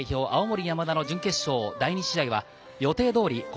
・青森山田の準決勝第２試合は予定通り